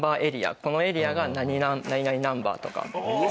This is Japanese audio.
このエリアが何々ナンバーとか。